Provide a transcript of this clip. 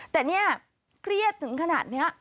แต่เนี่ยเครียดถึงขนาดนี้